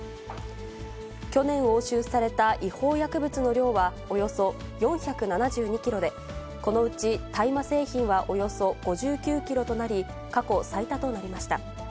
去年押収された違法薬物の量はおよそ４７２キロで、このうち大麻製品はおよそ５９キロとなり、過去最多となりました。